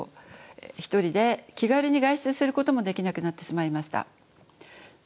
一人で気軽に外出することもできなくなってしまいました。